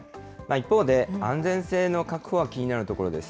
一方で、安全性の確保は気になるところです。